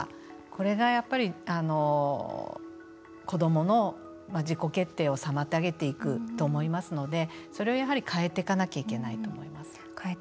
これがやはり子どもの自己決定を妨げていくと思いますのでそれを変えていかなければいけないと思います。